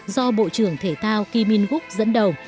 do bộ trưởng thể thao kim in wook dẫn đầu